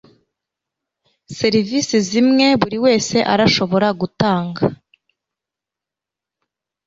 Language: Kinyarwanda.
serivisi zimwe buriwese arashobora gutanga